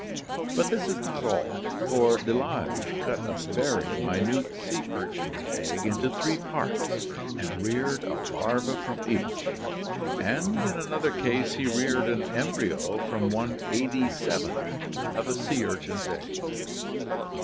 But this is not all, for Delage cut a very minute sea urchin's egg into three parts, and reared a larva from each, and in another case he reared an embryo from sV of a sea urchin's egg.